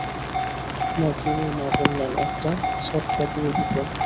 নাজনীনের মা বললেন একটা ছদকা দিয়ে দিতে।